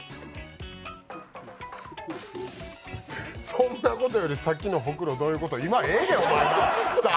そんなことよりさっきのほくろどういうこと、今、ええで、そんなの。